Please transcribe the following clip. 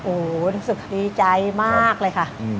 รู้สึกดีใจมากเลยค่ะ